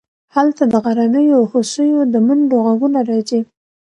هلته د غرنیو هوسیو د منډو غږونه راځي